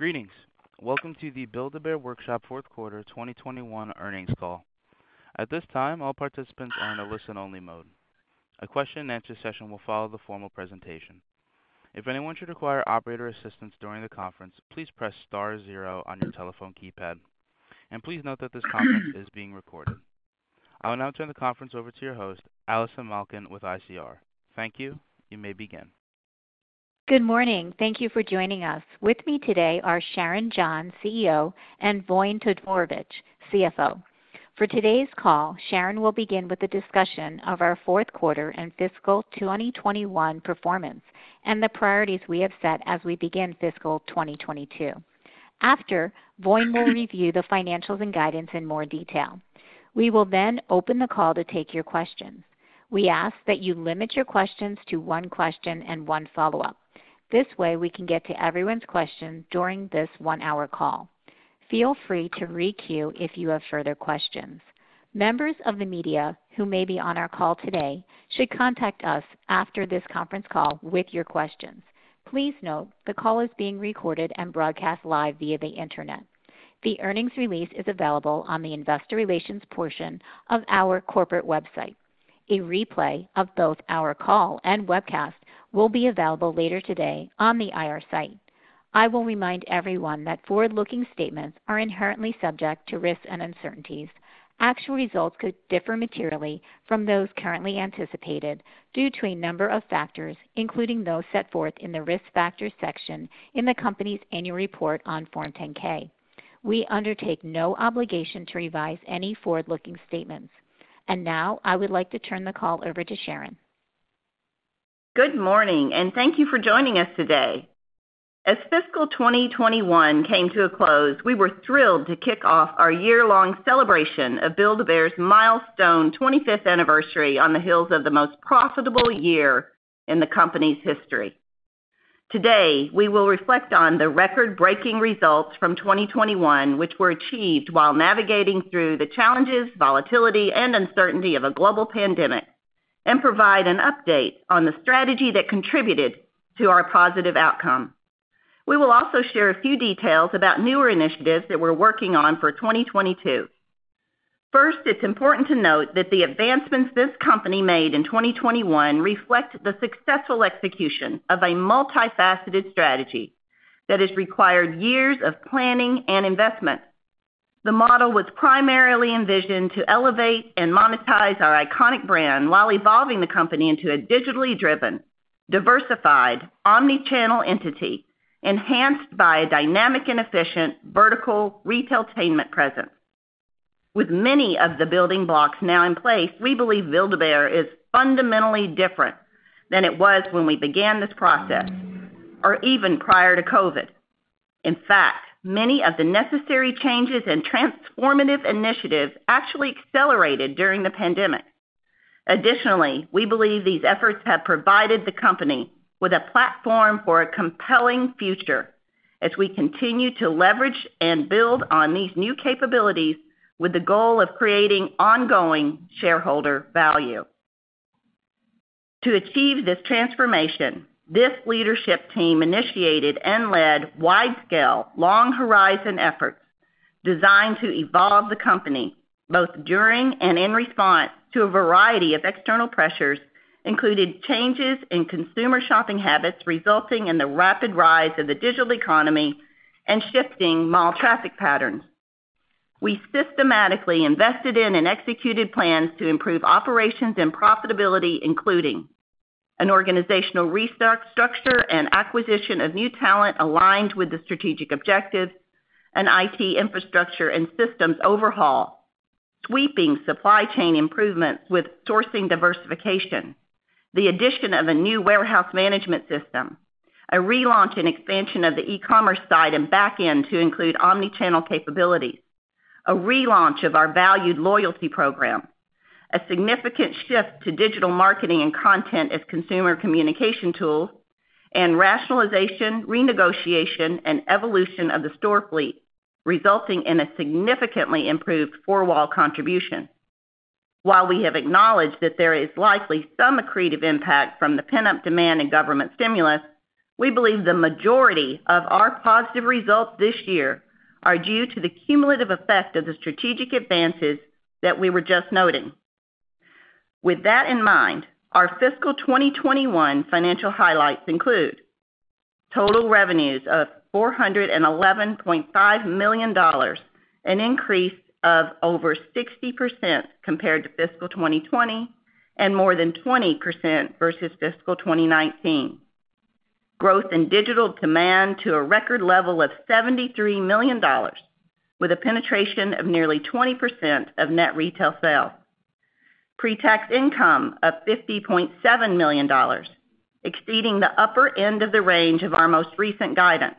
Greetings. Welcome to the Build-A-Bear Workshop Fourth Quarter 2021 Earnings Call. At this time, all participants are in a listen-only mode. A question-and-answer session will follow the formal presentation. If anyone should require operator assistance during the conference, please press star zero on your telephone keypad. Please note that this conference is being recorded. I will now turn the conference over to your host, Allison Malkin with ICR. Thank you. You may begin. Good morning. Thank you for joining us. With me today are Sharon Price John, Chief Executive Officer, and Voin Todorovic, Chief Financial Officer. For today's call, Sharon Price John will begin with a discussion of our fourth quarter and fiscal 2021 performance and the priorities we have set as we begin fiscal 2022. After, Voin Todorovic will review the financials and guidance in more detail. We will then open the call to take your questions. We ask that you limit your questions to one question and one follow-up. This way, we can get to everyone's questions during this one-hour call. Feel free to re-queue if you have further questions. Members of the media who may be on our call today should contact us after this conference call with your questions. Please note, the call is being recorded and broadcast live via the internet. The earnings release is available on the investor relations portion of our corporate website. A replay of both our call and webcast will be available later today on the IR site. I will remind everyone that forward-looking statements are inherently subject to risks and uncertainties. Actual results could differ materially from those currently anticipated due to a number of factors, including those set forth in the Risk Factors section in the company's annual report on Form 10-K. We undertake no obligation to revise any forward-looking statements. Now, I would like to turn the call over to Sharon. Good morning, and thank you for joining us today. As fiscal 2021 came to a close, we were thrilled to kick off our year-long celebration of Build-A-Bear's milestone 25th anniversary on the heels of the most profitable year in the company's history. Today, we will reflect on the record-breaking results from 2021, which were achieved while navigating through the challenges, volatility, and uncertainty of a global pandemic, and provide an update on the strategy that contributed to our positive outcome. We will also share a few details about newer initiatives that we're working on for 2022. First, it's important to note that the advancements this company made in 2021 reflect the successful execution of a multifaceted strategy that has required years of planning and investment. The model was primarily envisioned to elevate and monetize our iconic brand while evolving the company into a digitally driven, diversified, omni-channel entity enhanced by a dynamic and efficient vertical retail-tainment presence. With many of the building blocks now in place, we believe Build-A-Bear is fundamentally different than it was when we began this process or even prior to COVID. In fact, many of the necessary changes and transformative initiatives actually accelerated during the pandemic. Additionally, we believe these efforts have provided the company with a platform for a compelling future as we continue to leverage and build on these new capabilities with the goal of creating ongoing shareholder value. To achieve this transformation, this leadership team initiated and led widescale, long horizon efforts designed to evolve the company both during and in response to a variety of external pressures, including changes in consumer shopping habits resulting in the rapid rise of the digital economy and shifting mall traffic patterns. We systematically invested in and executed plans to improve operations and profitability, including an organizational restructure and acquisition of new talent aligned with the strategic objectives, an IT infrastructure and systems overhaul, sweeping supply chain improvements with sourcing diversification, the addition of a new warehouse management system, a relaunch and expansion of the e-commerce site and back-end to include omni-channel capabilities, a relaunch of our valued loyalty program, a significant shift to digital marketing and content as consumer communication tools, and rationalization, renegotiation, and evolution of the store fleet, resulting in a significantly improved four-wall contribution. While we have acknowledged that there is likely some accretive impact from the pent-up demand in government stimulus, we believe the majority of our positive results this year are due to the cumulative effect of the strategic advances that we were just noting. With that in mind, our fiscal 2021 financial highlights include total revenues of $411.5 million, an increase of over 60% compared to fiscal 2020 and more than 20% versus fiscal 2019, growth in digital demand to a record level of $73 million with a penetration of nearly 20% of net retail sales, pre-tax income of $50.7 million, exceeding the upper end of the range of our most recent guidance.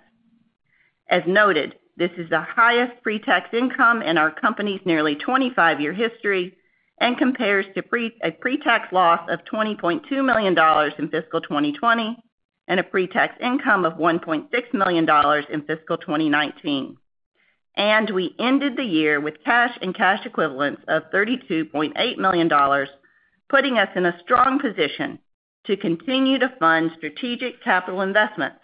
As noted, this is the highest pre-tax income in our company's nearly 25-year history and compares to a pre-tax loss of $20.2 million in fiscal 2020 and a pre-tax income of $1.6 million in fiscal 2019. We ended the year with cash and cash equivalents of $32.8 million, putting us in a strong position to continue to fund strategic capital investments.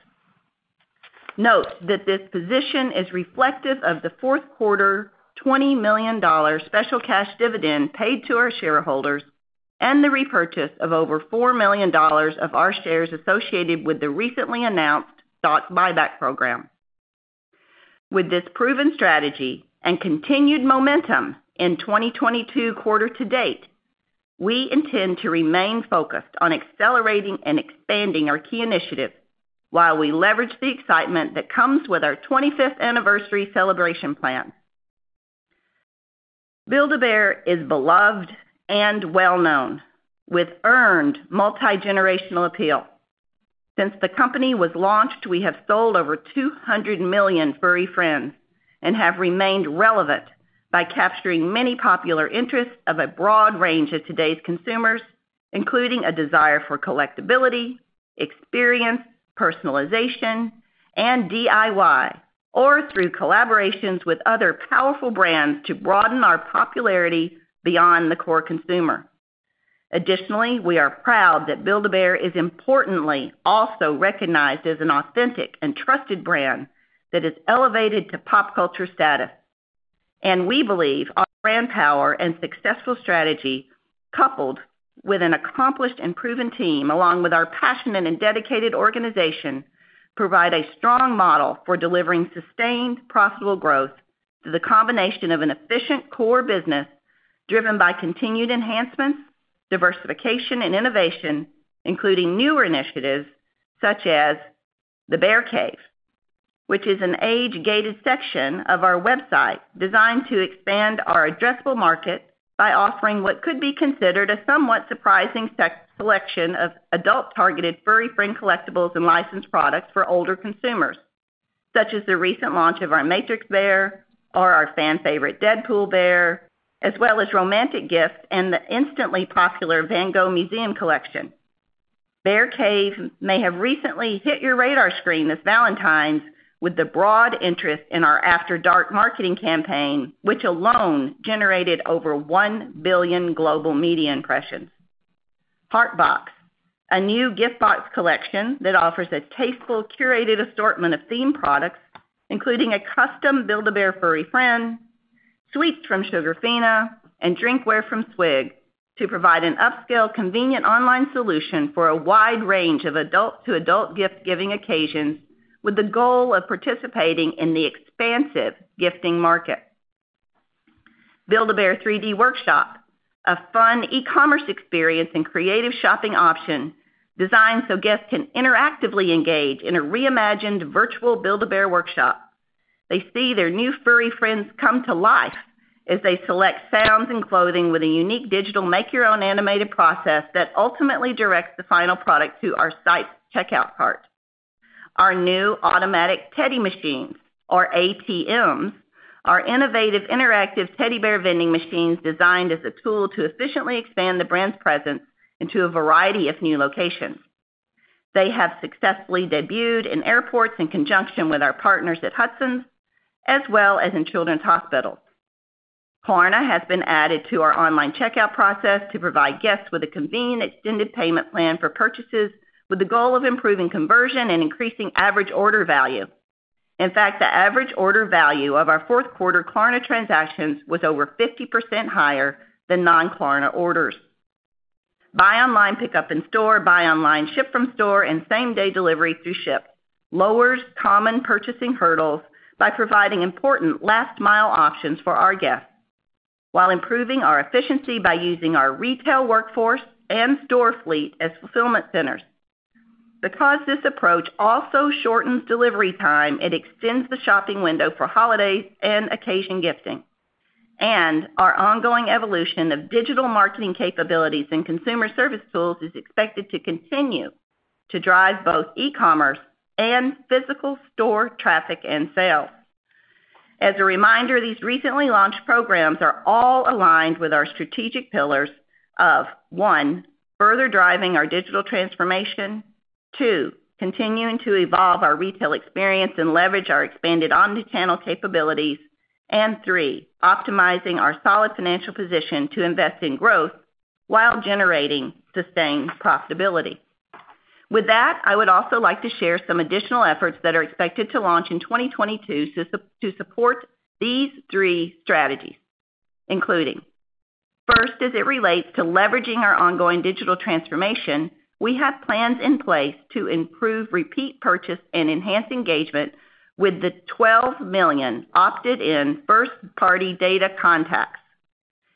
Note that this position is reflective of the fourth quarter $20 million special cash dividend paid to our shareholders and the repurchase of over $4 million of our shares associated with the recently announced stock buyback program. With this proven strategy and continued momentum in 2022 quarter to date, we intend to remain focused on accelerating and expanding our key initiatives while we leverage the excitement that comes with our 25th anniversary celebration plan. Build-A-Bear is beloved and well-known, with earned multi-generational appeal. Since the company was launched, we have sold over 200 million furry friends and have remained relevant by capturing many popular interests of a broad range of today's consumers, including a desire for collectibility, experience, personalization, and DIY, or through collaborations with other powerful brands to broaden our popularity beyond the core consumer. Additionally, we are proud that Build-A-Bear is importantly also recognized as an authentic and trusted brand that is elevated to pop culture status. We believe our brand power and successful strategy, coupled with an accomplished and proven team, along with our passionate and dedicated organization, provide a strong model for delivering sustained profitable growth through the combination of an efficient core business driven by continued enhancements, diversification, and innovation, including newer initiatives such as The Bear Cave, which is an age-gated section of our website designed to expand our addressable market by offering what could be considered a somewhat surprising selection of adult-targeted furry friend collectibles and licensed products for older consumers, such as the recent launch of our Matrix Bear or our fan-favorite Deadpool bear, as well as romantic gifts and the instantly popular Van Gogh Museum collection. Bear Cave may have recently hit your radar screen this Valentine's with the broad interest in our After Dark marketing campaign, which alone generated over 1 billion global media impressions. HeartBox, a new gift box collection that offers a tasteful, curated assortment of themed products, including a custom Build-A-Bear furry friend, sweets from Sugarfina, and drinkware from Swig Life to provide an upscale, convenient online solution for a wide range of adult-to-adult gift-giving occasions with the goal of participating in the expansive gifting market. Bear Builder 3D Workshop, a fun e-commerce experience and creative shopping option designed so guests can interactively engage in a reimagined virtual Build-A-Bear workshop. They see their new furry friends come to life as they select sounds and clothing with a unique digital make your own animated process that ultimately directs the final product to our site's checkout cart. Our new automatic teddy machines, or ATMs, are innovative interactive teddy bear vending machines designed as a tool to efficiently expand the brand's presence into a variety of new locations. They have successfully debuted in airports in conjunction with our partners at Hudson's as well as in Children's Hospital. Klarna has been added to our online checkout process to provide guests with a convenient extended payment plan for purchases with the goal of improving conversion and increasing average order value. In fact, the average order value of our fourth quarter Klarna transactions was over 50% higher than non-Klarna orders. Buy online, pickup in store, buy online, ship from store, and same-day delivery through Shipt lowers common purchasing hurdles by providing important last-mile options for our guests while improving our efficiency by using our retail workforce and store fleet as fulfillment centers. Because this approach also shortens delivery time, it extends the shopping window for holidays and occasion gifting. Our ongoing evolution of digital marketing capabilities and consumer service tools is expected to continue to drive both e-commerce and physical store traffic and sales. As a reminder, these recently launched programs are all aligned with our strategic pillars of, one, further driving our digital transformation, two, continuing to evolve our retail experience and leverage our expanded omni-channel capabilities, and three, optimizing our solid financial position to invest in growth while generating sustained profitability. With that, I would also like to share some additional efforts that are expected to launch in 2022 to support these three strategies, including. First, as it relates to leveraging our ongoing digital transformation, we have plans in place to improve repeat purchase and enhance engagement with the 12 million opted-in first-party data contacts,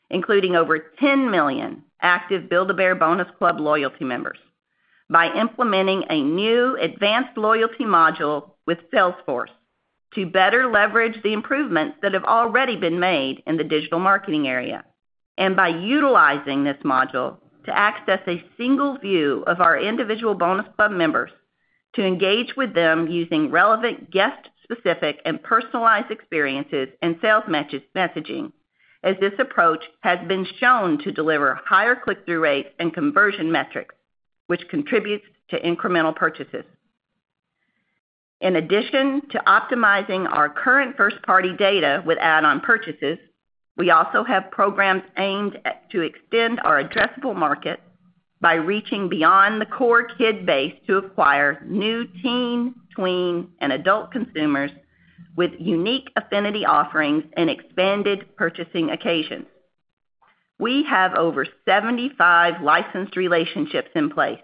including over 10 million active Build-A-Bear Bonus Club loyalty members, by implementing a new advanced loyalty module with Salesforce to better leverage the improvements that have already been made in the digital marketing area and by utilizing this module to access a single view of our individual Bonus Club members to engage with them using relevant guest specific and personalized experiences and sales messaging, as this approach has been shown to deliver higher click-through rates and conversion metrics, which contributes to incremental purchases. In addition to optimizing our current first-party data with add-on purchases, we also have programs aimed at to extend our addressable market by reaching beyond the core kid base to acquire new teen, tween, and adult consumers with unique affinity offerings and expanded purchasing occasions. We have over 75 licensed relationships in place,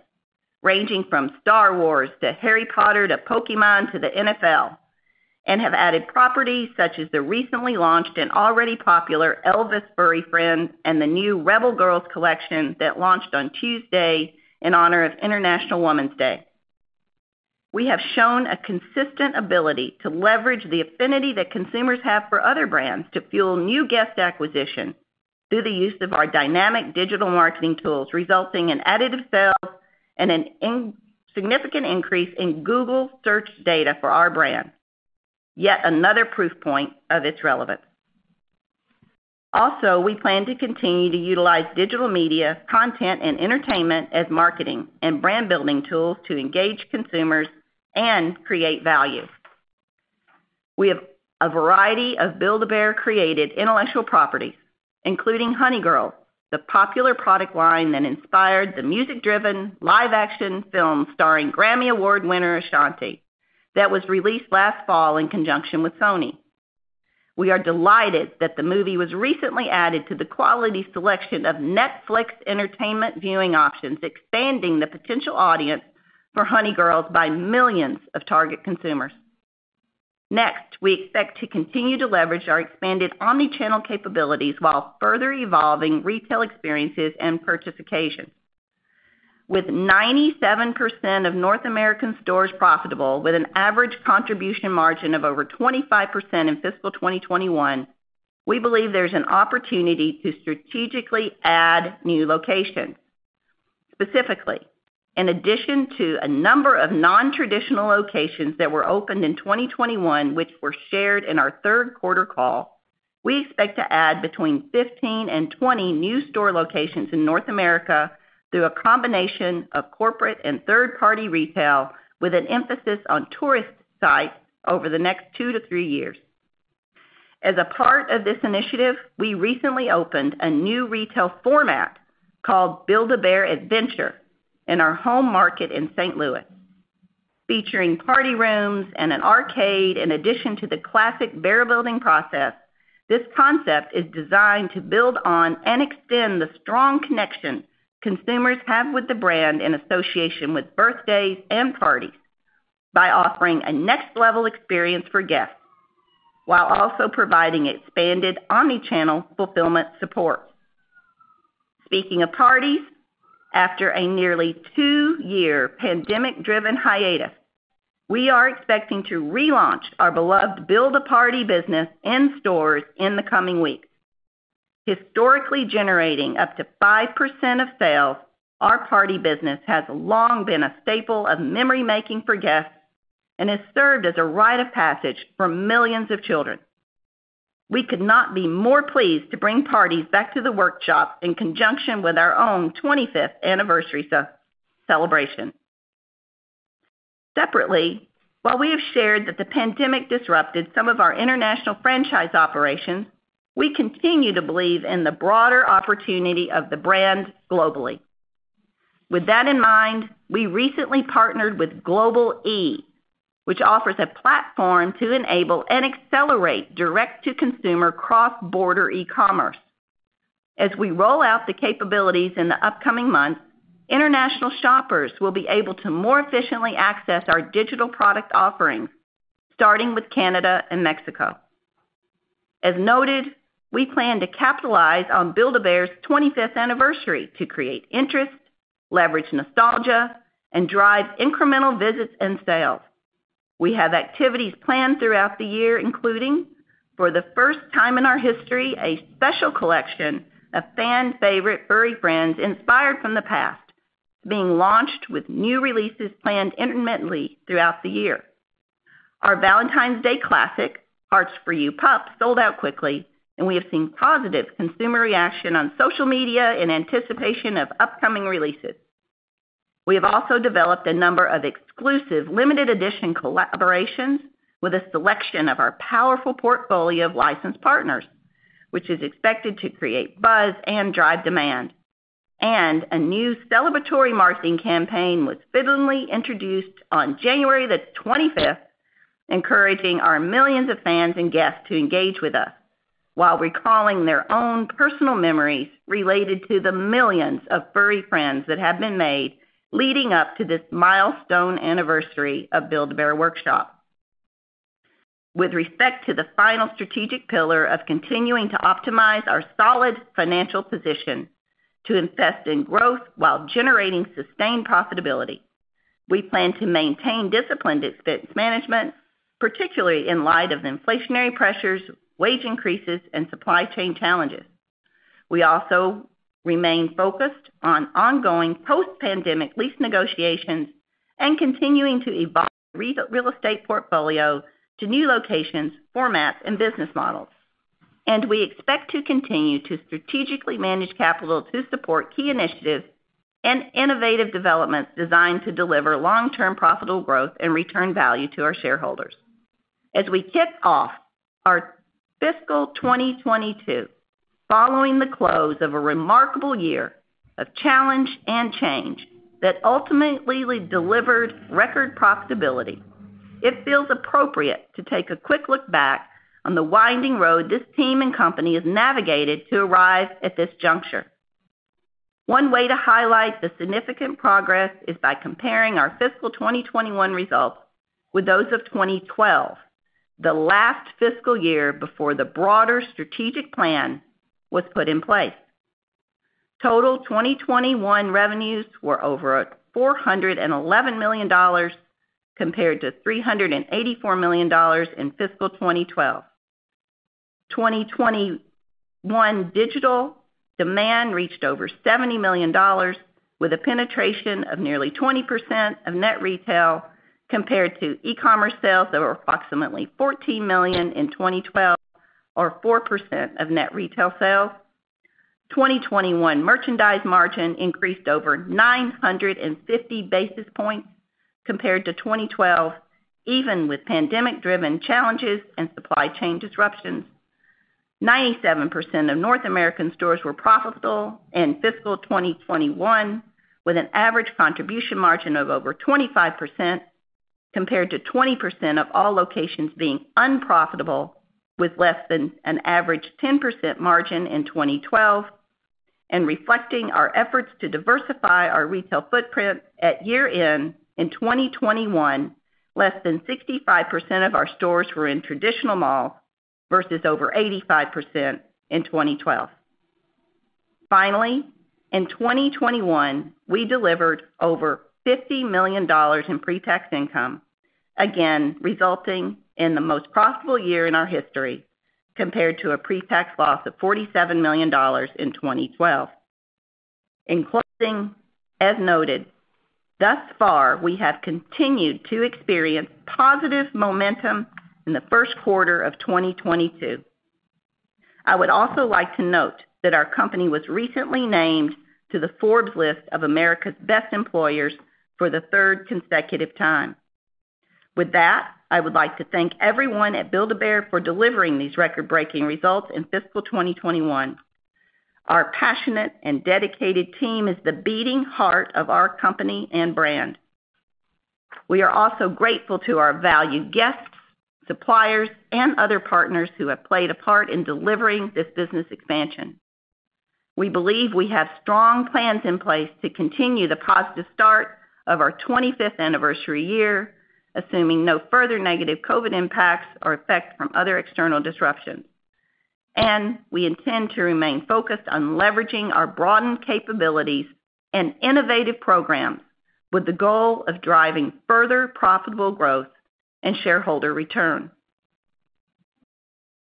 ranging from Star Wars to Harry Potter to Pokémon to the NFL, and have added properties such as the recently launched and already popular Elvis Furry Friend and the new Rebel Girls collection that launched on Tuesday in honor of International Women's Day. We have shown a consistent ability to leverage the affinity that consumers have for other brands to fuel new guest acquisition through the use of our dynamic digital marketing tools, resulting in additive sales and a significant increase in Google Search data for our brand, yet another proof point of its relevance. We plan to continue to utilize digital media, content, and entertainment as marketing and brand-building tools to engage consumers and create value. We have a variety of Build-A-Bear-created intellectual property, including Honey Girls, the popular product line that inspired the music-driven live-action film starring Grammy Award winner Ashanti that was released last fall in conjunction with Sony. We are delighted that the movie was recently added to the quality selection of Netflix entertainment viewing options, expanding the potential audience for Honey Girls by millions of target consumers. Next, we expect to continue to leverage our expanded omni-channel capabilities while further evolving retail experiences and purchase occasions. With 97% of North American stores profitable with an average contribution margin of over 25% in fiscal 2021, we believe there's an opportunity to strategically add new locations. Specifically, in addition to a number of non-traditional locations that were opened in 2021, which were shared in our third quarter call, we expect to add between 15 and 20 new store locations in North America through a combination of corporate and third-party retail with an emphasis on tourist sites over the next two to three years. As a part of this initiative, we recently opened a new retail format called Build-A-Bear Adventure in our home market in St. Louis, featuring party rooms and an arcade in addition to the classic bear-building process. This concept is designed to build on and extend the strong connection consumers have with the brand in association with birthdays and parties by offering a next-level experience for guests while also providing expanded omni-channel fulfillment support. Speaking of parties, after a nearly 2-year pandemic-driven hiatus, we are expecting to relaunch our beloved Build-A-Party business in stores in the coming weeks. Historically generating up to 5% of sales, our party business has long been a staple of memory-making for guests and has served as a rite of passage for millions of children. We could not be more pleased to bring parties back to the Workshop in conjunction with our own 25th anniversary celebration. Separately, while we have shared that the pandemic disrupted some of our international franchise operations, we continue to believe in the broader opportunity of the brand globally. With that in mind, we recently partnered with Global-e, which offers a platform to enable and accelerate direct-to-consumer cross-border e-commerce. As we roll out the capabilities in the upcoming months, international shoppers will be able to more efficiently access our digital product offerings, starting with Canada and Mexico. As noted, we plan to capitalize on Build-A-Bear's 25th anniversary to create interest, leverage nostalgia, and drive incremental visits and sales. We have activities planned throughout the year, including, for the first time in our history, a special collection of fan favorite furry friends inspired from the past, being launched with new releases planned intermittently throughout the year. Our Valentine's Day classic, Hearts Fur You Pup, sold out quickly, and we have seen positive consumer reaction on social media in anticipation of upcoming releases. We have also developed a number of exclusive limited edition collaborations with a selection of our powerful portfolio of licensed partners, which is expected to create buzz and drive demand. A new celebratory marketing campaign was officially introduced on January 25, encouraging our millions of fans and guests to engage with us while recalling their own personal memories related to the millions of furry friends that have been made leading up to this milestone anniversary of Build-A-Bear Workshop. With respect to the final strategic pillar of continuing to optimize our solid financial position to invest in growth while generating sustained profitability, we plan to maintain disciplined expense management, particularly in light of inflationary pressures, wage increases, and supply chain challenges. We also remain focused on ongoing post-pandemic lease negotiations and continuing to evolve our real estate portfolio to new locations, formats, and business models. We expect to continue to strategically manage capital to support key initiatives and innovative developments designed to deliver long-term profitable growth and return value to our shareholders. As we kick off our fiscal 2022, following the close of a remarkable year of challenge and change that ultimately delivered record profitability, it feels appropriate to take a quick look back on the winding road this team and company has navigated to arrive at this juncture. One way to highlight the significant progress is by comparing our fiscal 2021 results with those of 2012, the last fiscal year before the broader strategic plan was put in place. Total 2021 revenues were over $411 million, compared to $384 million in fiscal 2012. 2021 digital demand reached over $70 million, with a penetration of nearly 20% of net retail, compared to e-commerce sales that were approximately $14 million in 2012, or 4% of net retail sales. 2021 merchandise margin increased over 950 basis points compared to 2012, even with pandemic-driven challenges and supply chain disruptions. 97% of North American stores were profitable in fiscal 2021, with an average contribution margin of over 25%, compared to 20% of all locations being unprofitable with less than an average 10% margin in 2012. Reflecting our efforts to diversify our retail footprint at year-end in 2021, less than 65% of our stores were in traditional malls versus over 85% in 2012. Finally, in 2021, we delivered over $50 million in pre-tax income, again, resulting in the most profitable year in our history, compared to a pre-tax loss of $47 million in 2012. In closing, as noted, thus far, we have continued to experience positive momentum in the first quarter of 2022. I would also like to note that our company was recently named to the Forbes list of America's Best Employers for the third consecutive time. With that, I would like to thank everyone at Build-A-Bear for delivering these record-breaking results in fiscal 2021. Our passionate and dedicated team is the beating heart of our company and brand. We are also grateful to our valued guests, suppliers, and other partners who have played a part in delivering this business expansion. We believe we have strong plans in place to continue the positive start of our 25th anniversary year, assuming no further negative COVID impacts or effect from other external disruptions. We intend to remain focused on leveraging our broadened capabilities and innovative programs with the goal of driving further profitable growth and shareholder return.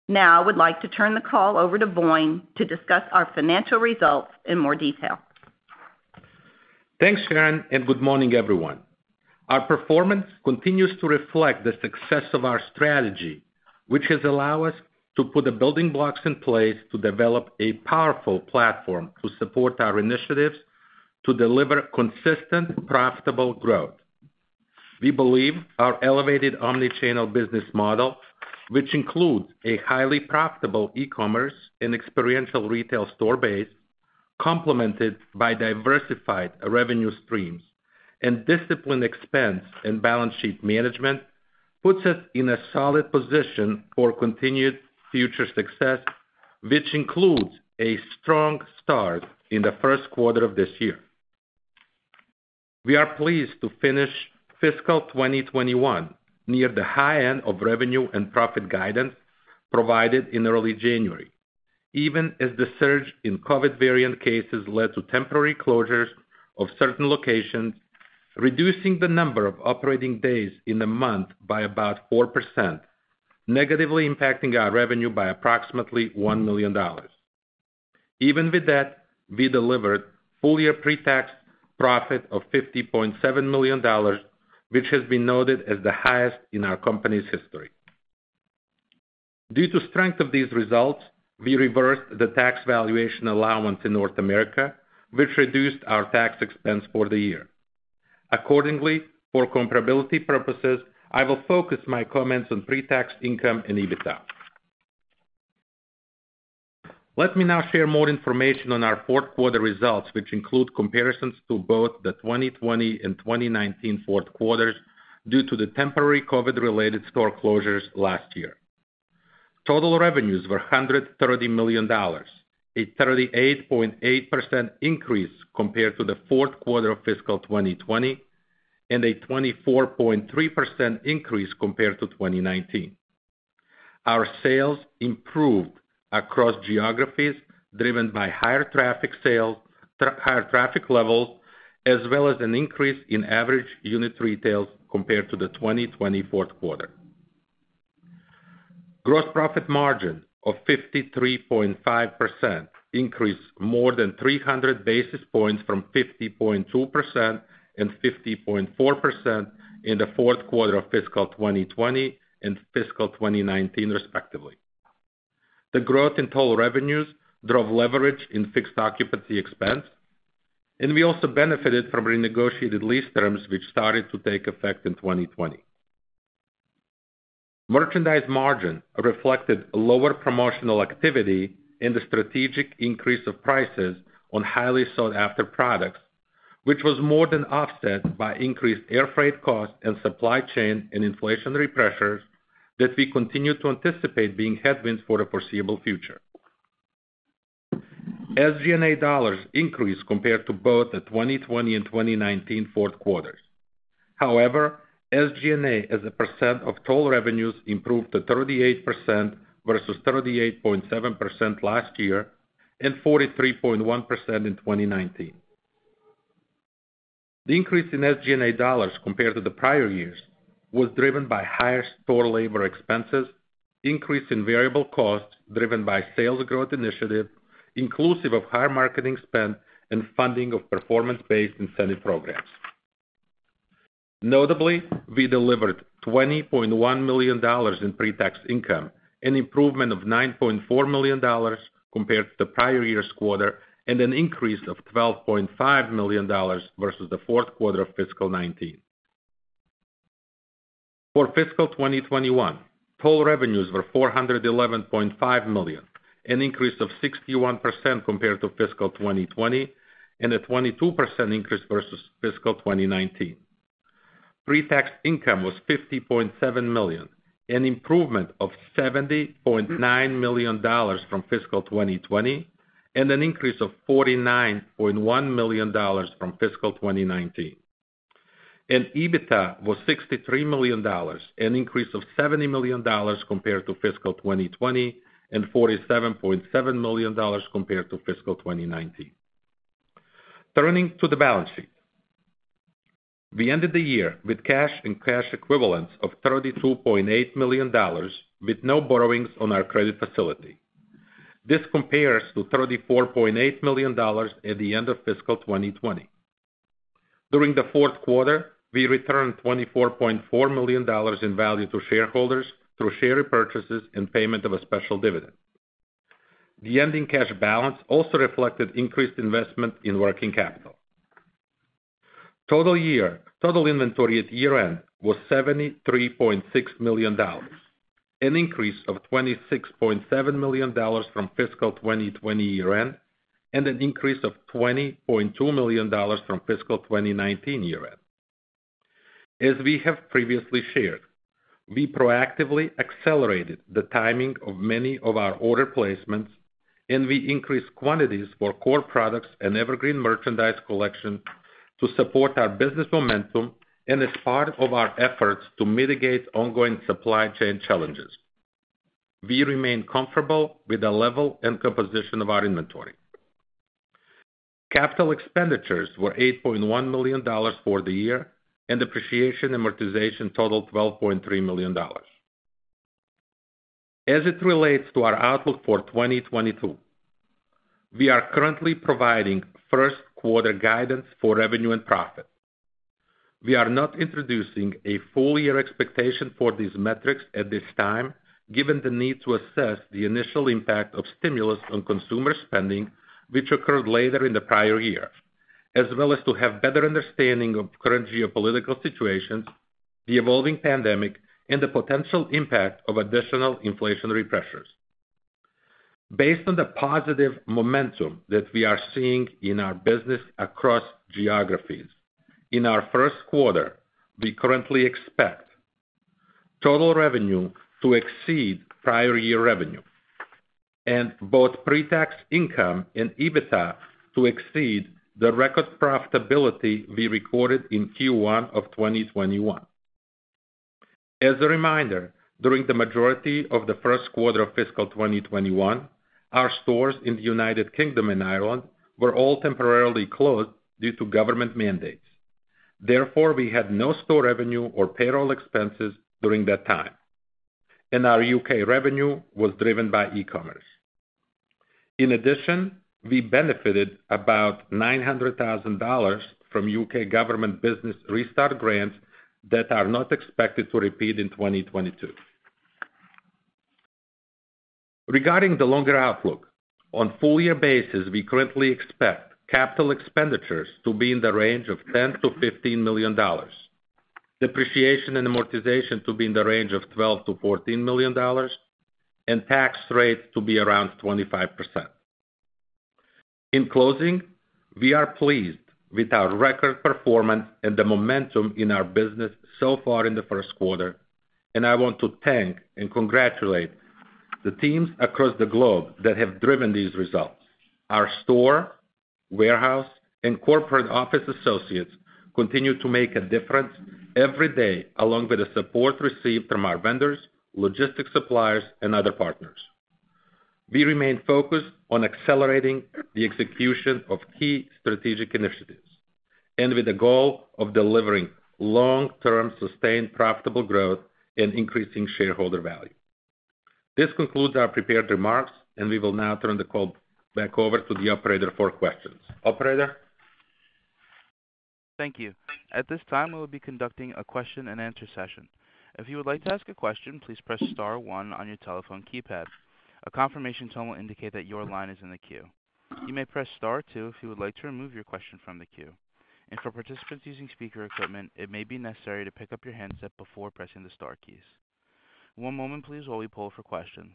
Now I would like to turn the call over to Voin Todorovic to discuss our financial results in more detail. Thanks, Sharon, and good morning, everyone. Our performance continues to reflect the success of our strategy, which has allow us to put the building blocks in place to develop a powerful platform to support our initiatives to deliver consistent, profitable growth. We believe our elevated omni-channel business model, which includes a highly profitable e-commerce and experiential retail store base, complemented by diversified revenue streams and disciplined expense and balance sheet management, puts us in a solid position for continued future success, which includes a strong start in the first quarter of this year. We are pleased to finish fiscal 2021 near the high end of revenue and profit guidance provided in early January, even as the surge in COVID variant cases led to temporary closures of certain locations, reducing the number of operating days in the month by about 4%, negatively impacting our revenue by approximately $1 million. Even with that, we delivered full-year pre-tax profit of $50.7 million, which has been noted as the highest in our company's history. Due to strength of these results, we reversed the tax valuation allowance in North America, which reduced our tax expense for the year. Accordingly, for comparability purposes, I will focus my comments on pre-tax income and EBITDA. Let me now share more information on our fourth quarter results, which include comparisons to both the 2020 and 2019 fourth quarters due to the temporary COVID-related store closures last year. Total revenues were $130 million, a 38.8% increase compared to the fourth quarter of fiscal 2020, and a 24.3% increase compared to 2019. Our sales improved across geographies driven by higher traffic levels, as well as an increase in average unit retail compared to the 2020 fourth quarter. Gross profit margin of 53.5% increased more than 300 basis points from 50.2% and 50.4% in the fourth quarter of fiscal 2020 and fiscal 2019, respectively. The growth in total revenues drove leverage in fixed occupancy expense, and we also benefited from renegotiated lease terms which started to take effect in 2020. Merchandise margin reflected lower promotional activity and the strategic increase of prices on highly sought-after products, which was more than offset by increased air freight costs and supply chain and inflationary pressures that we continue to anticipate being headwinds for the foreseeable future. SG&A dollars increased compared to both the 2020 and 2019 fourth quarters. However, SG&A as a percent of total revenues improved to 38% versus 38.7% last year and 43.1% in 2019. The increase in SG&A dollars compared to the prior years was driven by higher store labor expenses, increase in variable costs driven by sales growth initiative, inclusive of higher marketing spend and funding of performance-based incentive programs. Notably, we delivered $20 million in pretax income, an improvement of $9.4 million compared to the prior year's quarter and an increase of $12.5 million versus the fourth quarter of fiscal 2019. For fiscal 2021, total revenues were $411.5 million, an increase of 61% compared to fiscal 2020 and a 22% increase versus fiscal 2019. Pre-tax income was $50.7 million, an improvement of $70.9 million from fiscal 2020 and an increase of $49.1 million from fiscal 2019. EBITDA was $63 million, an increase of $70 million compared to fiscal 2020 and $47.7 million compared to fiscal 2019. Turning to the balance sheet. We ended the year with cash and cash equivalents of $32.8 million with no borrowings on our credit facility. This compares to $34.8 million at the end of fiscal 2020. During the fourth quarter, we returned $24.4 million in value to shareholders through share repurchases and payment of a special dividend. The ending cash balance also reflected increased investment in working capital. Total inventory at year-end was $73.6 million, an increase of $26.7 million from fiscal 2020 year-end, and an increase of $20.2 million from fiscal 2019 year-end. As we have previously shared, we proactively accelerated the timing of many of our order placements, and we increased quantities for core products and evergreen merchandise collection to support our business momentum and as part of our efforts to mitigate ongoing supply chain challenges. We remain comfortable with the level and composition of our inventory. Capital expenditures were $8.1 million for the year and depreciation amortization totaled $12.3 million. As it relates to our outlook for 2022, we are currently providing first quarter guidance for revenue and profit. We are not introducing a full year expectation for these metrics at this time, given the need to assess the initial impact of stimulus on consumer spending, which occurred later in the prior year, as well as to have better understanding of current geopolitical situations, the evolving pandemic, and the potential impact of additional inflationary pressures. Based on the positive momentum that we are seeing in our business across geographies, in our first quarter, we currently expect total revenue to exceed prior year revenue and both pre-tax income and EBITDA to exceed the record profitability we recorded in Q1 of 2021. As a reminder, during the majority of the first quarter of fiscal 2021, our stores in the United Kingdom and Ireland were all temporarily closed due to government mandates. Therefore, we had no store revenue or payroll expenses during that time, and our U.K. revenue was driven by e-commerce. In addition, we benefited about $900,000 from U.K. government business restart grants that are not expected to repeat in 2022. Regarding the longer outlook, on a full-year basis, we currently expect capital expenditures to be in the range of $10 million-$15 million, depreciation and amortization to be in the range of $12 million-$14 million, and tax rate to be around 25%. In closing, we are pleased with our record performance and the momentum in our business so far in the first quarter, and I want to thank and congratulate the teams across the globe that have driven these results. Our store, warehouse, and corporate office associates continue to make a difference every day, along with the support received from our vendors, logistics suppliers, and other partners. We remain focused on accelerating the execution of key strategic initiatives and with the goal of delivering long-term, sustained, profitable growth and increasing shareholder value. This concludes our prepared remarks, and we will now turn the call back over to the operator for questions. Operator? Thank you. At this time, we will be conducting a question-and-answer session. If you would like to ask a question, please press star one on your telephone keypad. A confirmation tone will indicate that your line is in the queue. You may press star two if you would like to remove your question from the queue. For participants using speaker equipment, it may be necessary to pick up your handset before pressing the star keys. One moment please while we poll for questions.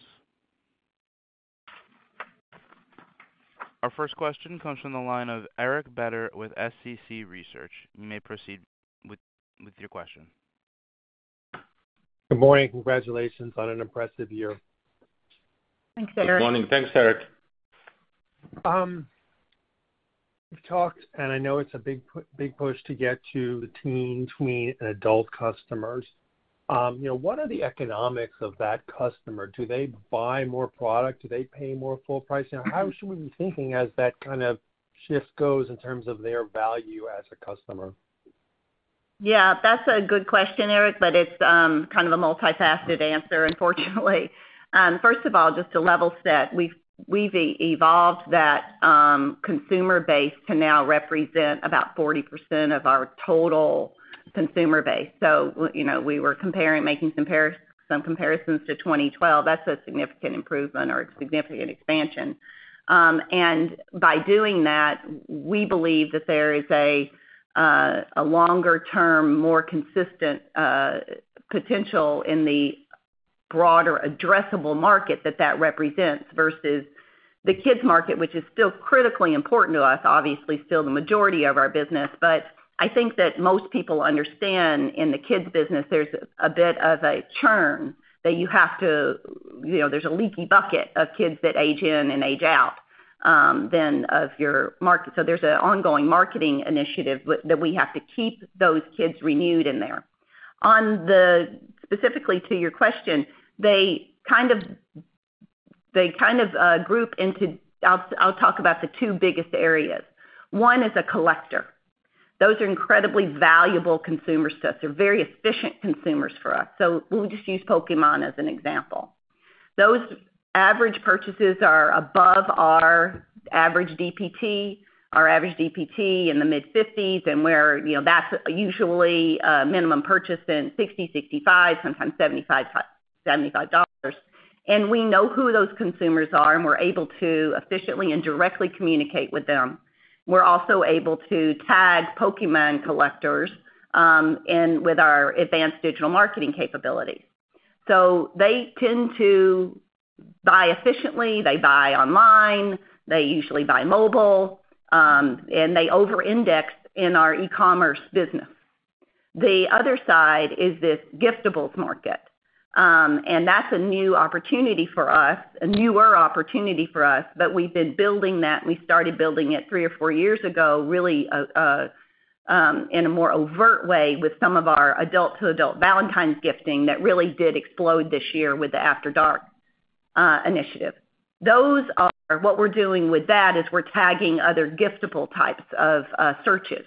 Our first question comes from the line of Eric Beder with Small Cap Consumer Research. You may proceed with your question. Good morning. Congratulations on an impressive year. Thanks, Eric. Good morning. Thanks, Eric. You've talked, and I know it's a big push to get to the teen, tween, and adult customers. You know, what are the economics of that customer? Do they buy more product? Do they pay more full price? You know, how should we be thinking as that kind of shift goes in terms of their value as a customer? Yeah, that's a good question, Eric, but it's kind of a multifaceted answer, unfortunately. First of all, just to level set, we've evolved that consumer base to now represent about 40% of our total consumer base. So, you know, we were making some comparisons to 2012. That's a significant improvement or a significant expansion. By doing that, we believe that there is a longer term, more consistent potential in the broader addressable market that that represents versus the kids market, which is still critically important to us, obviously still the majority of our business. I think that most people understand in the kids business, there's a bit of a churn that you have to. You know, there's a leaky bucket of kids that age in and age out of your market. There's an ongoing marketing initiative that we have to keep those kids renewed in there. Specifically to your question, they group into the two biggest areas. One is a collector. Those are incredibly valuable consumers to us. They're very efficient consumers for us. We'll just use Pokémon as an example. Those average purchases are above our average DPT, our average DPT in the mid-$50s, and where that's usually a minimum purchase of $60-$65, sometimes $75. We know who those consumers are, and we're able to efficiently and directly communicate with them. We're also able to tag Pokémon collectors with our advanced digital marketing capability. They tend to buy efficiently, they buy online, they usually buy mobile, and they over-index in our e-commerce business. The other side is this giftables market. That's a new opportunity for us, a newer opportunity for us. We've been building that. We started building it 3 or 4 years ago, really, in a more overt way with some of our adult-to-adult Valentine's gifting that really did explode this year with the After Dark initiative. What we're doing with that is we're tagging other giftable types of searches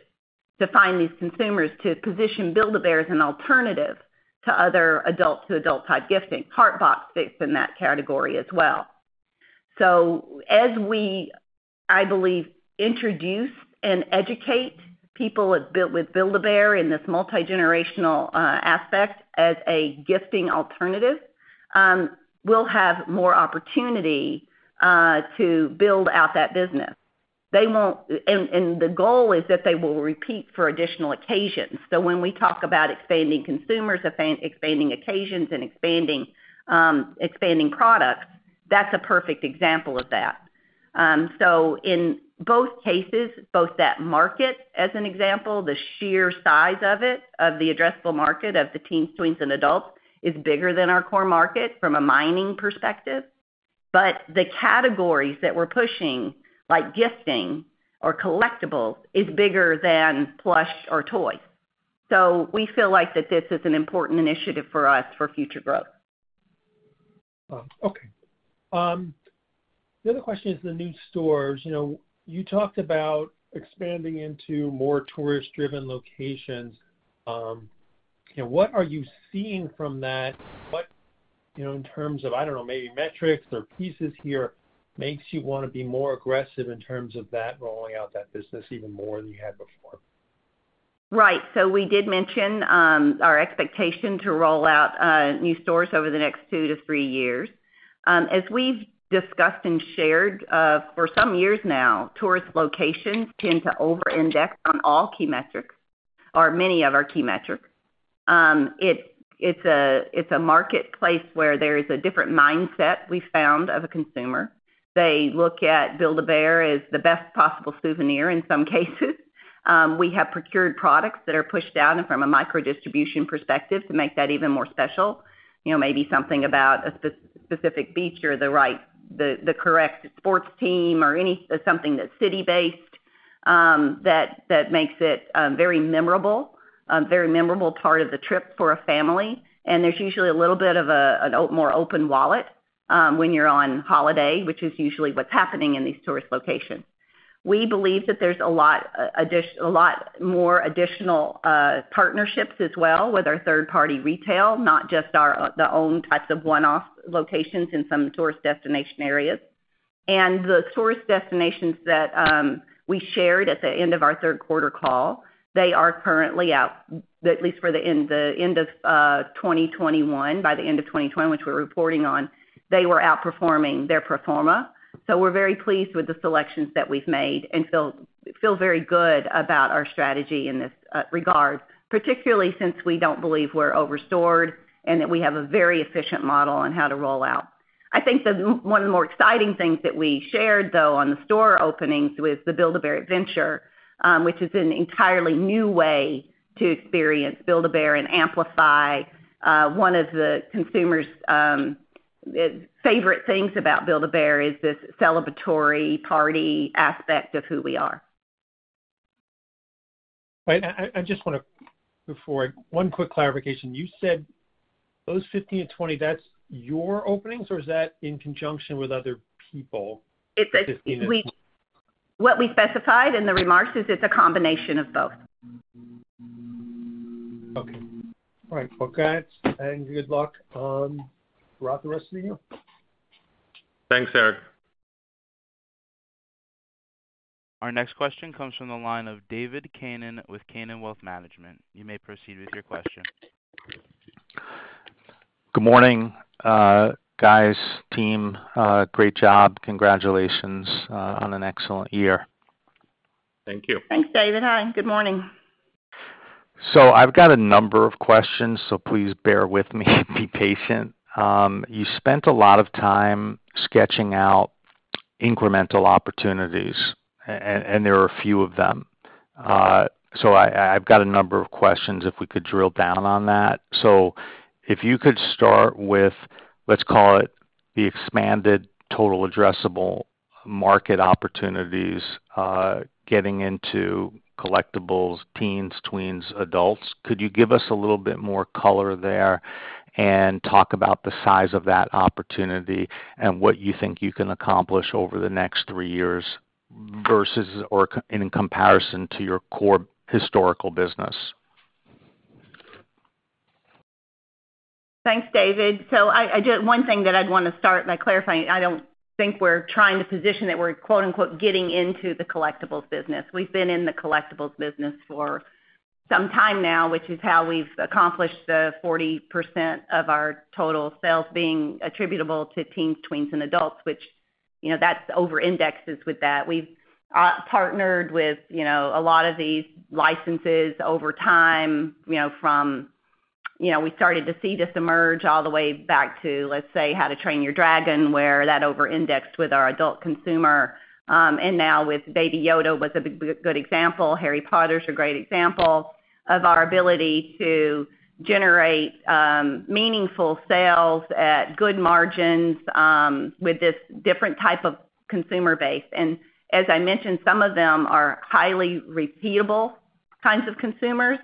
to find these consumers to position Build-A-Bear as an alternative to other adult-to-adult type gifting. HeartBox fits in that category as well. As we, I believe, introduce and educate people with Build-A-Bear in this multi-generational aspect as a gifting alternative, we'll have more opportunity to build out that business. The goal is that they will repeat for additional occasions. When we talk about expanding consumers, expanding occasions, and expanding products, that's a perfect example of that. In both cases, both that market as an example, the sheer size of it, of the addressable market of the teens, tweens and adults, is bigger than our core market from a spending perspective. But the categories that we're pushing, like gifting or collectibles, is bigger than plush or toys. We feel like that this is an important initiative for us for future growth. Okay. The other question is the new stores. You know, you talked about expanding into more tourist-driven locations. You know, what are you seeing from that? What, you know, in terms of, I don't know, maybe metrics or pieces here makes you wanna be more aggressive in terms of that rolling out that business even more than you had before? Right. We did mention our expectation to roll out new stores over the next 2-3 years. As we've discussed and shared for some years now, tourist locations tend to over-index on all key metrics or many of our key metrics. It's a marketplace where there is a different mindset we found of a consumer. They look at Build-A-Bear as the best possible souvenir in some cases. We have procured products that are pushed down and from a micro-distribution perspective to make that even more special. You know, maybe something about a specific beach or the correct sports team or something that's city-based, that makes it very memorable part of the trip for a family. There's usually a little bit of a more open wallet when you're on holiday, which is usually what's happening in these tourist locations. We believe that there's a lot more additional partnerships as well with our third-party retail, not just our owned types of one-off locations in some tourist destination areas. Those destinations that we shared at the end of our third quarter call are currently outperforming, at least for the end of 2021. By the end of 2020, which we're reporting on, they were outperforming their pro forma. We're very pleased with the selections that we've made and feel very good about our strategy in this regard, particularly since we don't believe we're over-stored, and that we have a very efficient model on how to roll out. I think one of the more exciting things that we shared, though, on the store openings was the Build-A-Bear Adventure, which is an entirely new way to experience Build-A-Bear and amplify one of the consumer's favorite things about Build-A-Bear is this celebratory party aspect of who we are. Right. I just wanna, before I, one quick clarification. You said those 15-20, that's your openings or is that in conjunction with other people? It's a- 15 to 20. What we specified in the remarks is it's a combination of both. Okay. All right. Well, got it. Good luck throughout the rest of the year. Thanks, Eric. Our next question comes from the line of David Kanen with Kanen Wealth Management. You may proceed with your question. Good morning, guys, team. Great job. Congratulations on an excellent year. Thank you. Thanks, David. Hi, good morning. I've got a number of questions, please bear with me and be patient. You spent a lot of time sketching out incremental opportunities, and there are a few of them. I've got a number of questions, if we could drill down on that. If you could start with, let's call it, the expanded total addressable market opportunities, getting into collectibles, teens, tweens, adults. Could you give us a little bit more color there and talk about the size of that opportunity and what you think you can accomplish over the next three years versus in comparison to your core historical business? Thanks, David. One thing that I'd wanna start by clarifying, I don't think we're trying to position it. We're quote-unquote "getting into the collectibles business." We've been in the collectibles business for some time now, which is how we've accomplished the 40% of our total sales being attributable to teens, tweens, and adults, which, you know, that over indexes with that. We've partnered with, you know, a lot of these licenses over time, you know, from, you know, we started to see this emerge all the way back to, let's say, How to Train Your Dragon, where that over indexed with our adult consumer. Now with Baby Yoda was a good example. Harry Potter's a great example of our ability to generate meaningful sales at good margins with this different type of consumer base. As I mentioned, some of them are highly repeatable kinds of consumers.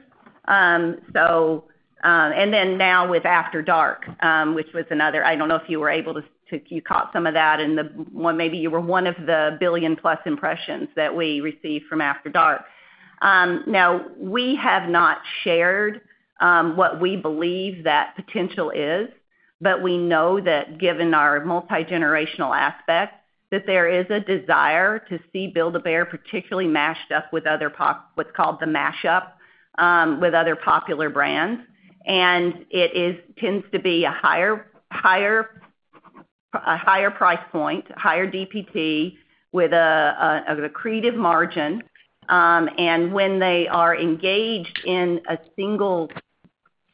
Now with After Dark, which was another. I don't know if you were able to, you caught some of that in the well, maybe you were one of the 1 billion+ impressions that we received from After Dark. Now we have not shared what we believe that potential is, but we know that given our multi-generational aspect, that there is a desire to see Build-A-Bear, particularly mashed up with other pop what's called the mashup with other popular brands. It tends to be a higher price point, higher DPT with an accretive margin. When they are engaged in a single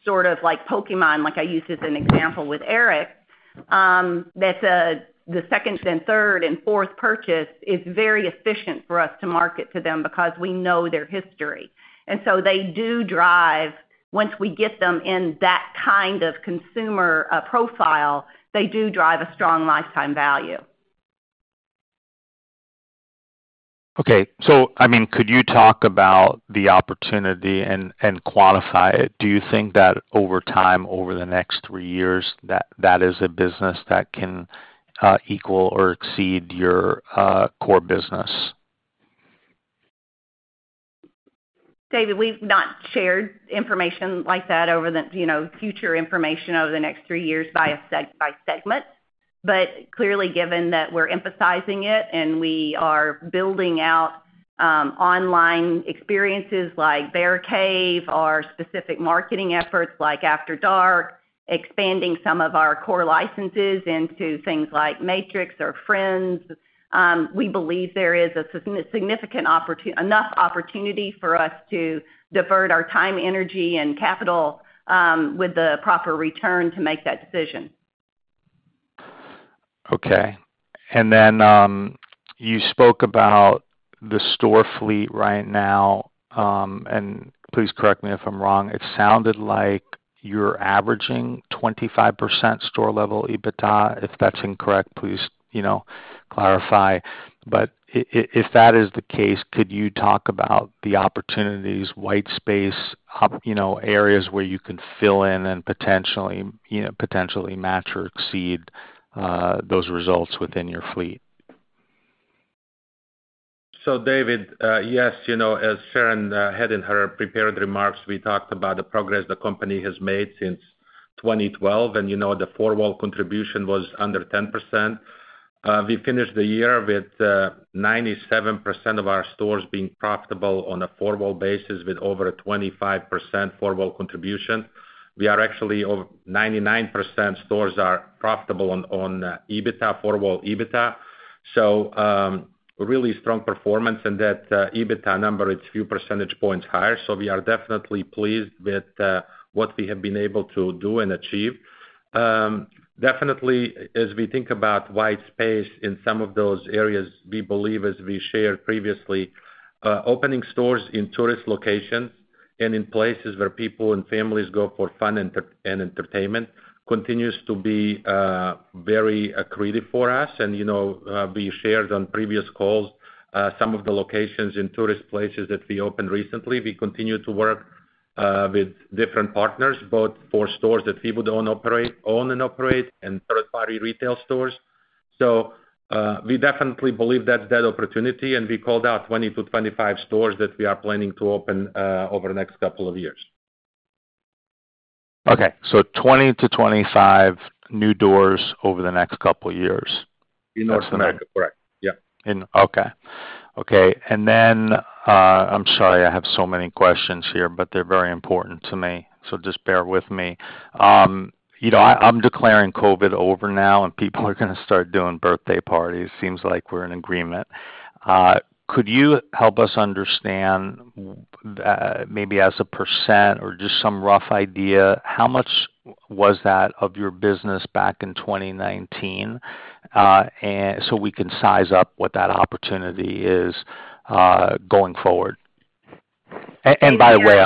sort of like Pokémon, like I used as an example with Eric, that the second and third and fourth purchase is very efficient for us to market to them because we know their history. They do drive, once we get them in that kind of consumer profile, they do drive a strong lifetime value. Okay. I mean, could you talk about the opportunity and quantify it? Do you think that over time, over the next three years, that is a business that can equal or exceed your core business? David, we've not shared information like that over the, you know, future information over the next three years by segment. Clearly, given that we're emphasizing it and we are building out online experiences like Bear Cave or specific marketing efforts like After Dark, expanding some of our core licenses into things like Matrix or Friends, we believe there is a significant enough opportunity for us to divert our time, energy, and capital with the proper return to make that decision. Okay. You spoke about the store fleet right now, and please correct me if I'm wrong. It sounded like you're averaging 25% store level EBITDA. If that's incorrect, please, you know, clarify. If that is the case, could you talk about the opportunities, white space, you know, areas where you can fill in and potentially match or exceed those results within your fleet? David, yes, you know, as Sharon had in her prepared remarks, we talked about the progress the company has made since 2012, and you know the four-wall contribution was under 10%. We finished the year with 97% of our stores being profitable on a four-wall basis with over a 25% four-wall contribution. We are actually over 99% of our stores are profitable on EBITDA, four-wall EBITDA. Really strong performance and that EBITDA number, it's a few percentage points higher. We are definitely pleased with what we have been able to do and achieve. Definitely as we think about white space in some of those areas, we believe, as we shared previously, opening stores in tourist locations and in places where people and families go for fun and entertainment continues to be very accretive for us. You know, we shared on previous calls some of the locations in tourist places that we opened recently. We continue to work with different partners, both for stores that we would own and operate, and third-party retail stores. We definitely believe that's the opportunity, and we called out 20-25 stores that we are planning to open over the next couple of years. Okay. 20 to 25 new doors over the next couple years. In North America. Correct. Yep. Okay. I'm sorry I have so many questions here, but they're very important to me, so just bear with me. You know, I'm declaring COVID over now and people are gonna start doing birthday parties. Seems like we're in agreement. Could you help us understand, maybe as a percent or just some rough idea, how much was that of your business back in 2019, and so we can size up what that opportunity is, going forward? By the way,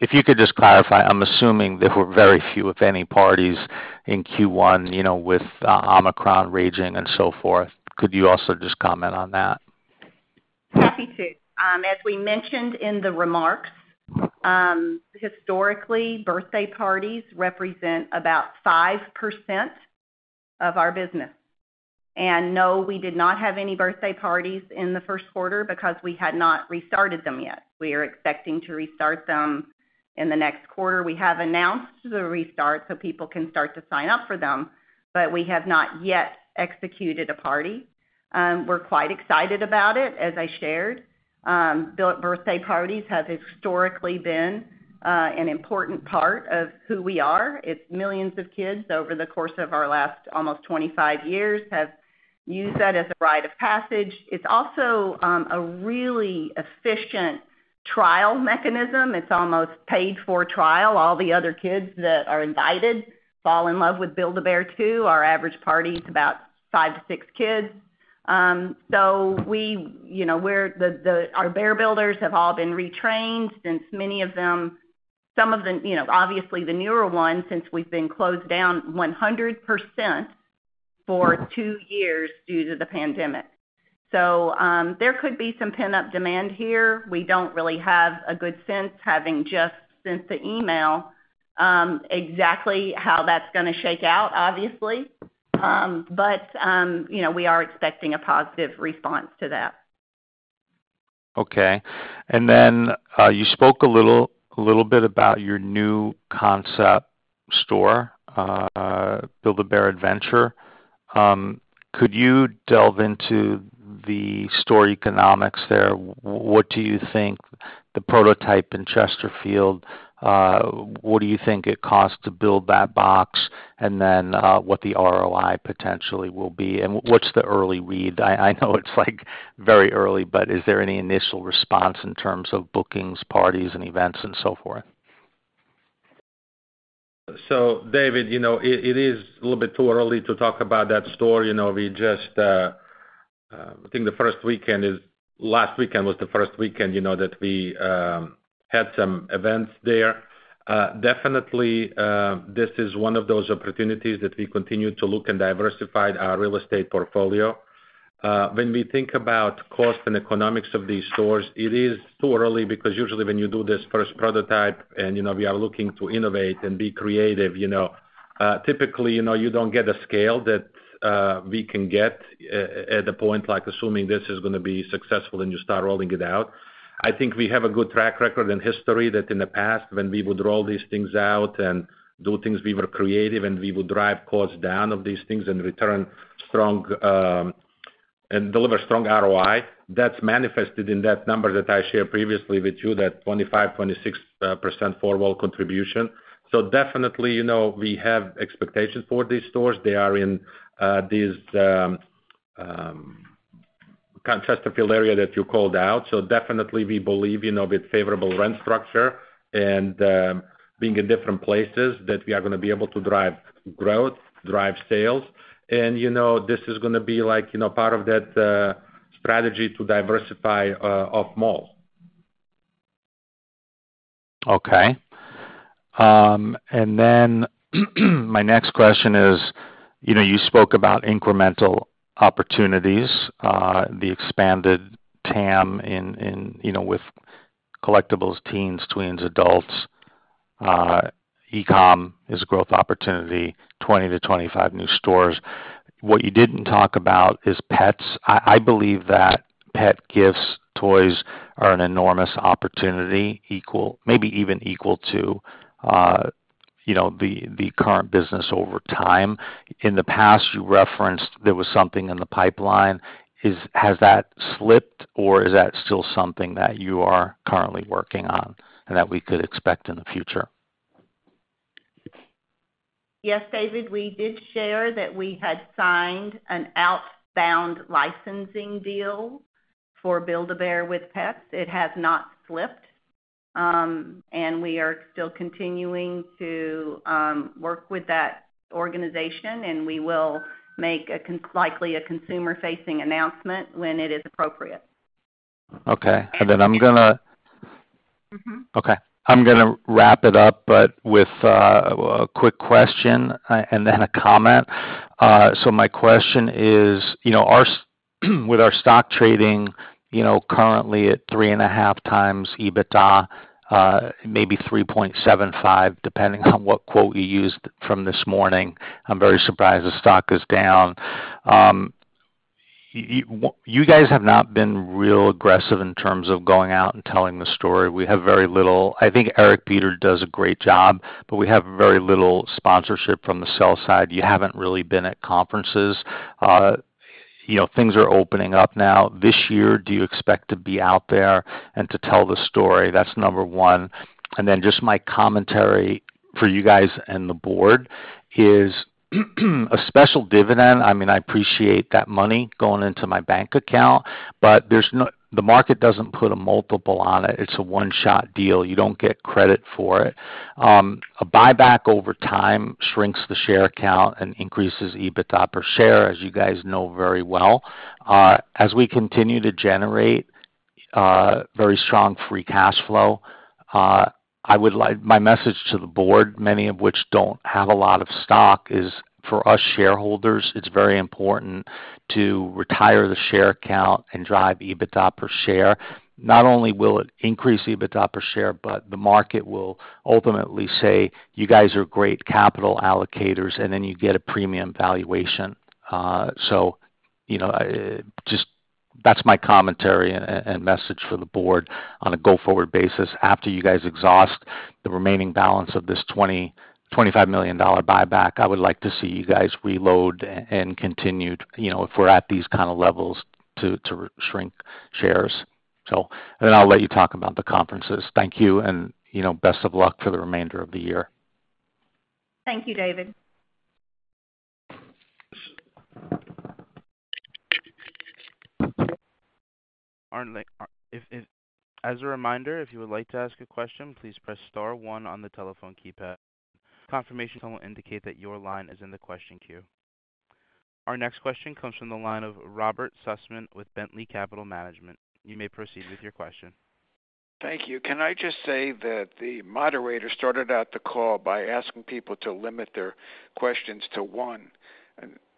if you could just clarify, I'm assuming there were very few, if any, parties in Q1, you know, with Omicron raging and so forth. Could you also just comment on that? Happy to. As we mentioned in the remarks, historically, birthday parties represent about 5% of our business. No, we did not have any birthday parties in the first quarter because we had not restarted them yet. We are expecting to restart them in the next quarter. We have announced the restart so people can start to sign up for them, but we have not yet executed a party. We're quite excited about it, as I shared. Build-A-Party parties have historically been an important part of who we are. It's millions of kids over the course of our last almost 25 years have used that as a rite of passage. It's also a really efficient trial mechanism. It's almost paid-for trial. All the other kids that are invited fall in love with Build-A-Bear too. Our average party is about five to six kids. Our bear builders have all been retrained since many of them, some of them, you know, obviously the newer ones, since we've been closed down 100% for two years due to the pandemic. There could be some pent-up demand here. We don't really have a good sense, having just sent the email, exactly how that's gonna shake out, obviously. You know, we are expecting a positive response to that. Okay. You spoke a little bit about your new concept store, Build-A-Bear Adventure. Could you delve into the store economics there? What do you think the prototype in Chesterfield costs to build that box? What the ROI potentially will be, and what's the early read? I know it's, like, very early, but is there any initial response in terms of bookings, parties, and events and so forth? David, you know, it is a little bit too early to talk about that store. You know, last weekend was the first weekend that we had some events there. Definitely, this is one of those opportunities that we continue to look and diversify our real estate portfolio. When we think about cost and economics of these stores, it is too early because usually when you do this first prototype and, you know, we are looking to innovate and be creative, you know, typically, you know, you don't get a scale that we can get at a point, like assuming this is gonna be successful and you start rolling it out. I think we have a good track record and history that in the past when we would roll these things out and do things, we were creative and we would drive costs down of these things and return strong, and deliver strong ROI. That's manifested in that number that I shared previously with you, that 25%-26% four-wall contribution. Definitely, you know, we have expectations for these stores. They are in these kind of Chesterfield area that you called out. Definitely we believe, you know, with favorable rent structure and being in different places, that we are gonna be able to drive growth, drive sales. You know, this is gonna be like, you know, part of that strategy to diversify off mall. Okay. My next question is, you know, you spoke about incremental opportunities, the expanded TAM in, you know, with collectibles, teens, tweens, adults. E-com is a growth opportunity, 20-25 new stores. What you didn't talk about is pets. I believe that pet gifts, toys are an enormous opportunity equal, maybe even equal to, you know, the current business over time. In the past, you referenced there was something in the pipeline. Has that slipped or is that still something that you are currently working on and that we could expect in the future? Yes, David. We did share that we had signed an outbound licensing deal for Build-A-Bear with pets. It has not slipped. We are still continuing to work with that organization, and we will likely make a consumer-facing announcement when it is appropriate. Okay. Mm-hmm. Okay. I'm gonna wrap it up, but with a quick question and then a comment. So my question is, you know, with our stock trading, you know, currently at 3.5x EBITDA, maybe 3.75, depending on what quote you used from this morning, I'm very surprised the stock is down. You guys have not been real aggressive in terms of going out and telling the story. We have very little. I think Eric Beder does a great job, but we have very little sponsorship from the sell side. You haven't really been at conferences. You know, things are opening up now. This year, do you expect to be out there and to tell the story? That's number one. Just my commentary for you guys and the board is a special dividend. I mean, I appreciate that money going into my bank account, but the market doesn't put a multiple on it. It's a one-shot deal. You don't get credit for it. A buyback over time shrinks the share count and increases EBITDA per share, as you guys know very well. As we continue to generate very strong free cash flow, my message to the board, many of which don't have a lot of stock, is for us shareholders, it's very important to retire the share count and drive EBITDA per share. Not only will it increase EBITDA per share, but the market will ultimately say, "You guys are great capital allocators," and then you get a premium valuation. You know, just that's my commentary and message for the board on a go-forward basis. After you guys exhaust the remaining balance of this $25 million buyback, I would like to see you guys reload and continue to, you know, if we're at these kinda levels, to shrink shares. I'll let you talk about the conferences. Thank you, and, you know, best of luck for the remainder of the year. Thank you, David. As a reminder, if you would like to ask a question, please press star one on the telephone keypad. Confirmation tone will indicate that your line is in the question queue. Our next question comes from the line of Robert Sussman with Bentley Capital Management. You may proceed with your question. Thank you. Can I just say that the moderator started out the call by asking people to limit their questions to one.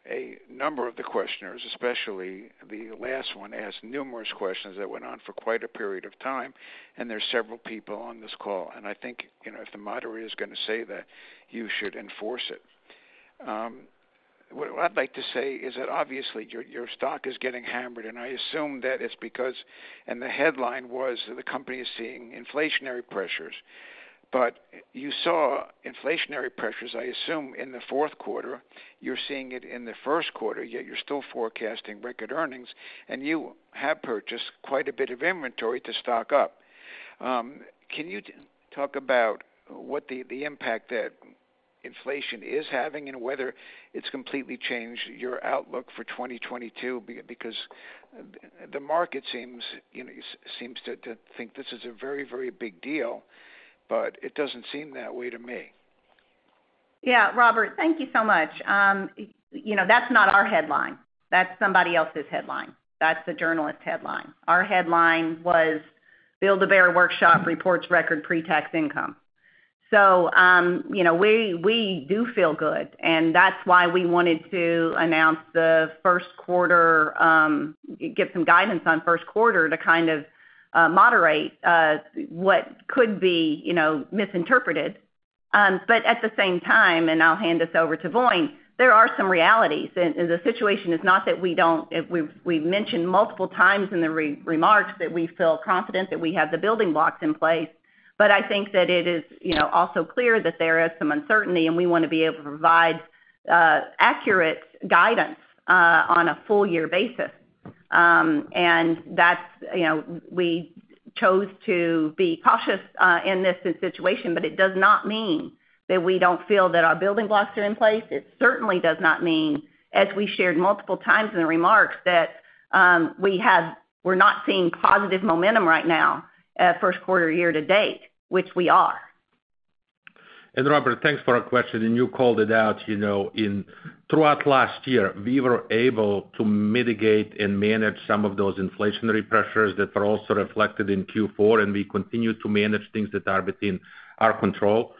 A number of the questioners, especially the last one, asked numerous questions that went on for quite a period of time, and there's several people on this call. I think, you know, if the moderator is gonna say that, you should enforce it. What I'd like to say is that obviously your stock is getting hammered, and I assume that it's because, and the headline was that the company is seeing inflationary pressures. You saw inflationary pressures, I assume, in the fourth quarter, you're seeing it in the first quarter, yet you're still forecasting record earnings, and you have purchased quite a bit of inventory to stock up. Can you talk about what the impact that inflation is having and whether it's completely changed your outlook for 2022? Because the market seems, you know, to think this is a very, very big deal, but it doesn't seem that way to me. Yeah. Robert, thank you so much. You know, that's not our headline. That's somebody else's headline. That's the journalist headline. Our headline was Build-A-Bear Workshop reports record pre-tax income. You know, we do feel good, and that's why we wanted to announce the first quarter, get some guidance on first quarter to kind of moderate what could be, you know, misinterpreted. But at the same time, I'll hand this over to Voin, there are some realities. The situation is not that we don't. We've mentioned multiple times in the remarks that we feel confident that we have the building blocks in place. I think that it is, you know, also clear that there is some uncertainty, and we wanna be able to provide accurate guidance on a full year basis. That's, you know, we chose to be cautious in this situation, but it does not mean that we don't feel that our building blocks are in place. It certainly does not mean, as we shared multiple times in the remarks, that we're not seeing positive momentum right now, first quarter year to date, which we are. Robert, thanks for our question. You called it out, you know, throughout last year, we were able to mitigate and manage some of those inflationary pressures that are also reflected in Q4, and we continue to manage things that are within our control.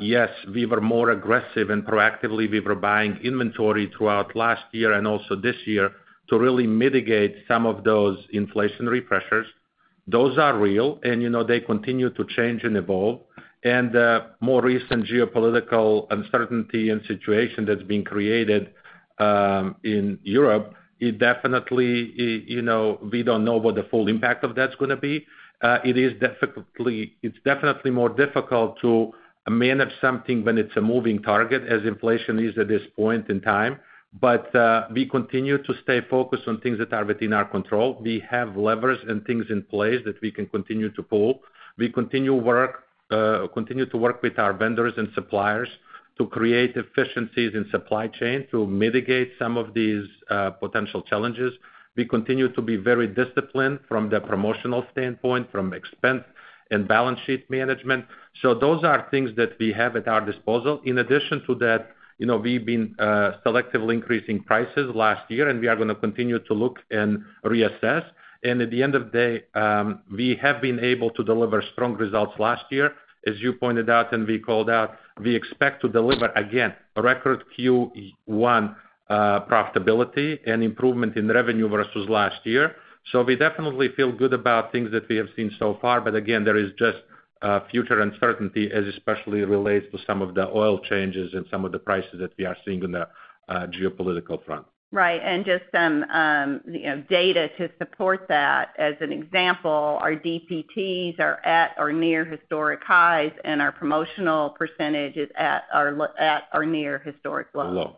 Yes, we were more aggressive and proactively we were buying inventory throughout last year and also this year to really mitigate some of those inflationary pressures. Those are real and, you know, they continue to change and evolve. More recent geopolitical uncertainty and situation that's been created in Europe, it definitely, you know, we don't know what the full impact of that's gonna be. It is definitely more difficult to manage something when it's a moving target, as inflation is at this point in time. We continue to stay focused on things that are within our control. We have levers and things in place that we can continue to pull. We continue to work with our vendors and suppliers to create efficiencies in supply chain to mitigate some of these potential challenges. We continue to be very disciplined from the promotional standpoint, from expense and balance sheet management. Those are things that we have at our disposal. In addition to that, you know, we've been selectively increasing prices last year, and we are gonna continue to look and reassess. At the end of the day, we have been able to deliver strong results last year. As you pointed out and we called out, we expect to deliver, again, a record Q1 profitability and improvement in revenue versus last year. We definitely feel good about things that we have seen so far, but again, there is just future uncertainty as it especially relates to some of the oil changes and some of the prices that we are seeing on the geopolitical front. Right. Just some, you know, data to support that. As an example, our DPTs are at or near historic highs, and our promotional percentage is at or near historic lows. Low.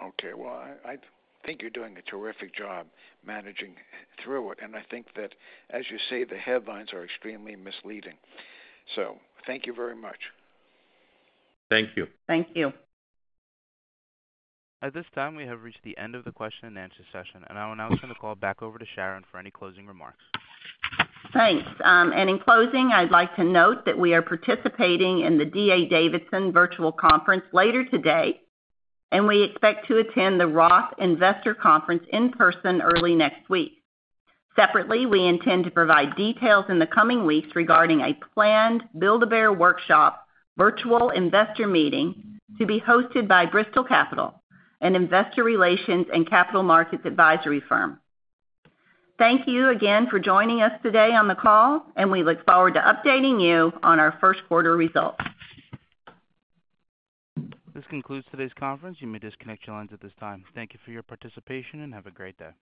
Okay. Well, I think you're doing a terrific job managing through it. I think that, as you say, the headlines are extremely misleading. Thank you very much. Thank you. Thank you. At this time, we have reached the end of the question-and-answer session, and I will now turn the call back over to Sharon for any closing remarks. Thanks. In closing, I'd like to note that we are participating in the D.A. Davidson Virtual Conference later today, and we expect to attend the Roth Investor Conference in person early next week. Separately, we intend to provide details in the coming weeks regarding a planned Build-A-Bear Workshop Virtual Investor Meeting to be hosted by Bristol Capital, an investor relations and capital markets advisory firm. Thank you again for joining us today on the call, and we look forward to updating you on our first quarter results. This concludes today's conference. You may disconnect your lines at this time. Thank you for your participation, and have a great day.